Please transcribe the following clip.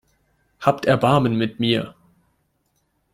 Habt Erbarmen mit mir!